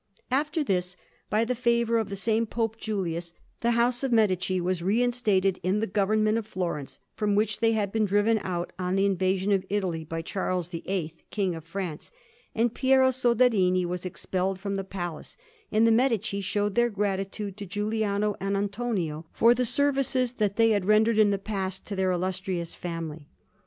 After this, by the favour of the same Pope Julius, the house of Medici was reinstated in the government of Florence, from which they had been driven out on the invasion of Italy by Charles VIII, King of France, and Piero Soderini was expelled from the Palace; and the Medici showed their gratitude to Giuliano and Antonio for the services that they had rendered in the past to their illustrious family.